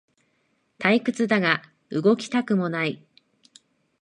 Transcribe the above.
退屈だが動きたくもない